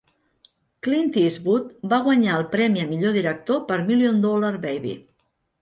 Clint Eastwood va guanyar el premi a millor director per "Million Dollar Baby".